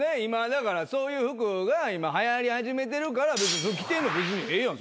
だからそういう服が今はやり始めてるから着てんの別にええやん。